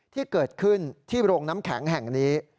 ที่เกิดขึ้นที่โรงน้ำแข็งแห่งนี้